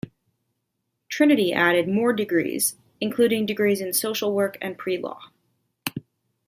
Trinity added more degrees, including degrees in Social Work and Pre-law.